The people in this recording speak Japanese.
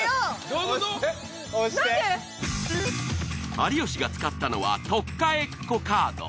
有吉が使ったのはとっかえっこカード。